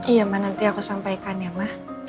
iya ma nanti aku sampaikan ya ma